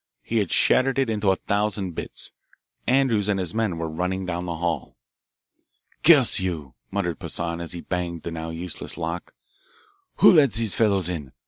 He had shattered it into a thousand bits. Andrews and his men were running down the hall. "Curse you!" muttered Poissan as he banged the now useless lock, "who let those fellows in?